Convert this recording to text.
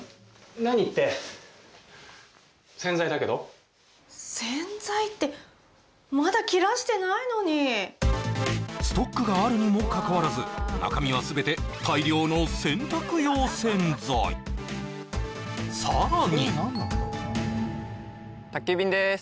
何って洗剤だけど洗剤ってまだ切らしてないのにストックがあるにもかかわらず中身は全てさらに宅急便です